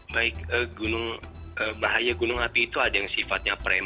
baik gunung bahaya gunung api itu ada yang sifatnya premium